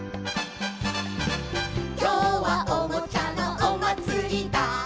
「きょうはおもちゃのおまつりだ」